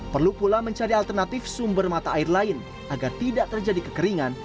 perlu pula mencari alternatif sumber mata air lain agar tidak terjadi kekeringan